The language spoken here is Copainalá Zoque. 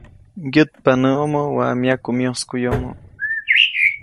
‒Ŋgyätpa näʼomo waʼa myaku myoskuʼyomo-.